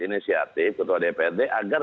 inisiatif ketua dprd agar